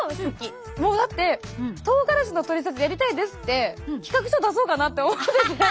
もうだって「とうがらしのトリセツやりたいです」って企画書出そうかなって思ってて。